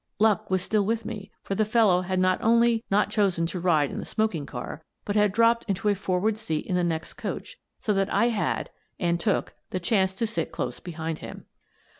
Luck was still with me, for the fellow had not only not chosen to ride in the smoking car, but had dropped into a forward seat in the next coach, so that I had, and took, the chance to sit close behind him.